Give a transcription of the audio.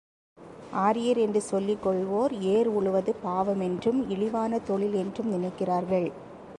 ஆரியர் என்று சொல்லிக்கொள்ளுவோர், ஏர் உழுவது பாவமென்றும், இழிவான தொழில் என்றும் நினைக்கிறார்கள்.